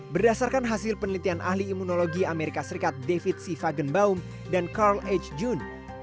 berdasarkan hasil penelitian ahli imunologi amerika serikat david c fagenbaum dan carl h june